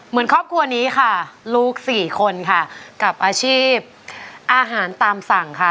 ครอบครัวนี้ค่ะลูกสี่คนค่ะกับอาชีพอาหารตามสั่งค่ะ